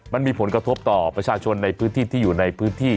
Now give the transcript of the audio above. มันมีผลกระทบต่อประชาชนในพื้นที่ที่อยู่ในพื้นที่